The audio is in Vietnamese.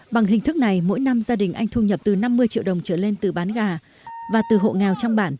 bằng hình thức này mỗi năm gia đình anh thu nhập từ năm mươi triệu đồng trở lên từ bán gà và từ hộ nghèo trong bản